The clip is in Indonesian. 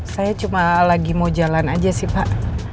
saya cuma lagi mau jalan aja sih pak